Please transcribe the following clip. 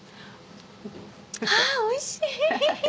あぁおいしい！